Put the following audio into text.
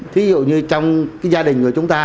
thí dụ như trong gia đình của chúng ta